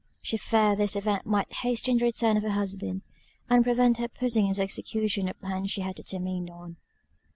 She feared this event might hasten the return of her husband, and prevent her putting into execution a plan she had determined on.